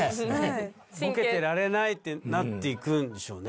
ボケてられないってなっていくんでしょうね。